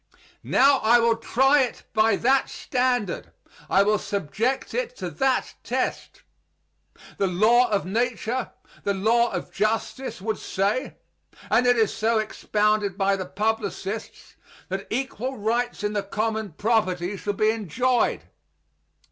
Now I will try it by that standard; I will subject it to that test. The law of nature, the law of justice, would say and it is so expounded by the publicists that equal rights in the common property shall be enjoyed.